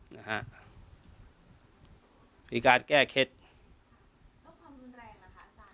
นะฮะที่การแก้เค็ดความรุนแรงนะคะอาจารย์